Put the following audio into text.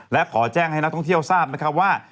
และขอแจ้งให้นักท่องเที่ยวทราบนะครับว่า